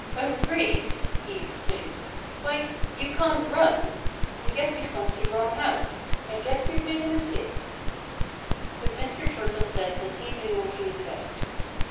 "A race!" he exclaimed. "Why you can't run. I guess you've come to the wrong house. I guess you've made a mistake." But Mr. Turtle said that he knew what he was about.